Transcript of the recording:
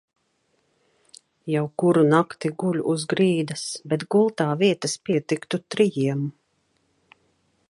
Jau kuru nakti guļu uz grīdas, bet gultā vietas pietiktu trijiem.